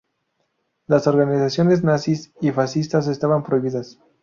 Las organizaciones nazis y fascistas estaban prohibidas.